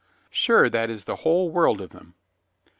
"Sure that is the whole world of them!"